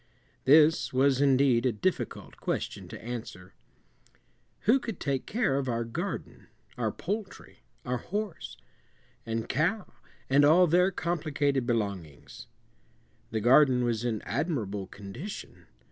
This was indeed a difficult question to answer. Who could take care of our garden, our poultry, our horse, and cow, and all their complicated belongings? The garden was in admirable condition.